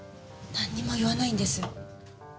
何にも言わないんです。